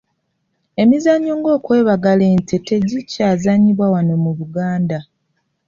Emizannyo ng'okwebagala ente tegikyazannyibwa wano mu Buganda.